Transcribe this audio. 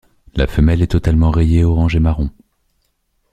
La femelle est totalement rayée orange et marron.